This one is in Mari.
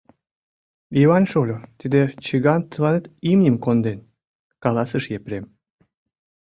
— Йыван шольо, тиде чыган тыланет имньым конден, — каласыш Епрем.